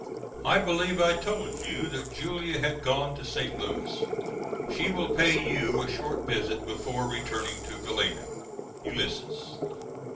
I believe I told you that Julia had gone to St. Louis. She will pay you a short visit before returning to Galena. ULYSSES.